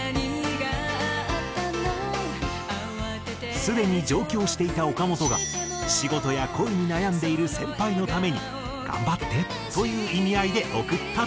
すでに上京していた岡本が仕事や恋に悩んでいる先輩のために「頑張って」という意味合いで贈ったという。